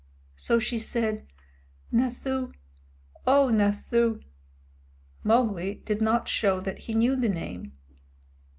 So she said, "Nathoo, O Nathoo!" Mowgli did not show that he knew the name.